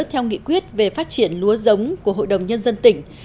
theo nghị quyết về phát triển lúa giống của hội đồng nhân dân tỉnh